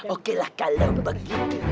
oke lah kalau begitu